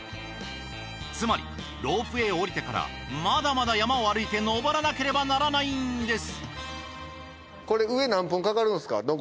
つまりロープウェーを降りてからまだまだ山を歩いて登らなければならないんです。